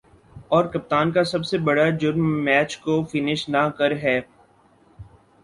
اور کپتان کا سب سے بڑا"جرم" میچ کو فنش نہ کر ہے